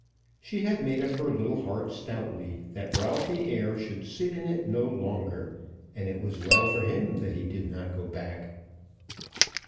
She had made up her little heart stoutly that Ralph the heir should sit in it no longer, and it was well for him that he did not go back.